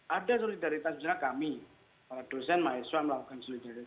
ada solidaritas sebenarnya kami dosen mahasiswa melakukan solidaritas